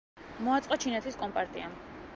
მოაწყო ჩინეთის კომპარტიამ.